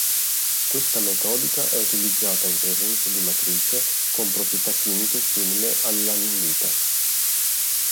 Questa metodica è utilizzata in presenza di matrice con proprietà chimiche simili all'analita.